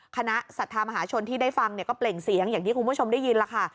ศรัทธามหาชนที่ได้ฟังเนี่ยก็เปล่งเสียงอย่างที่คุณผู้ชมได้ยินล่ะค่ะ